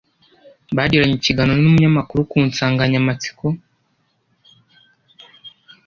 bagiranye ikiganiro n’umunyamakuru ku nsanganyamatsiko